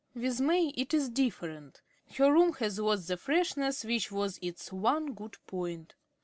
With May it is different. Her room has lost the freshness which was its one good point.